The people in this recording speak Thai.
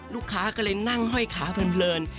ลูกค้าก็เลยนั่งห้อยขาเพลิน